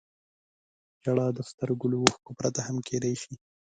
• ژړا د سترګو له اوښکو پرته هم کېدای شي.